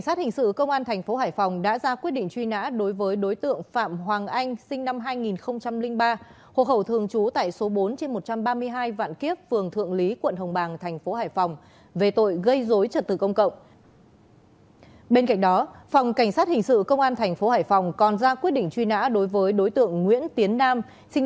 hình sự công an tp hải phòng còn ra quyết định truy nã đối với đối tượng nguyễn tiến nam sinh năm một nghìn chín trăm tám mươi sáu